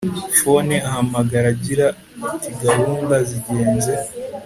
phone ahamagara agira atigahunda zigenze